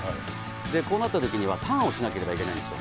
こうなったときにはターンをしなければいけないんですよ。